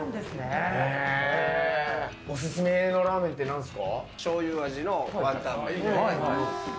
オススメのラーメンって何ですか？